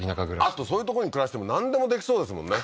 あとそういうとこに暮らしてもなんでもできそうですもんね